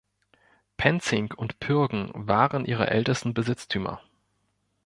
Penzing und Pürgen waren ihre ältesten Besitztümer.